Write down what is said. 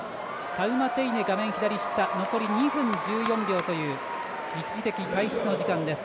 タウマテイネ残り２分１４秒という一時的退出の時間です。